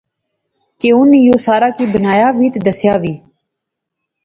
کہ انیں یو سارا کی بنایا وی تہ دسیا وی